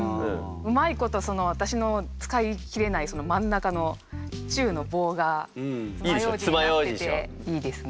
うまいことわたしの使い切れない真ん中の「中」の棒が爪楊枝になってていいですね。